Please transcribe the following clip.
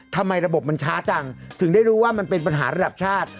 ทำไมระบบมันช้าจังถึงได้รู้ว่ามันเป็นปัญหาระดับชาติ